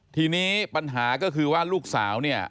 ทีนี้ปัญหาก็คือว่าลูกสาวเนี่ย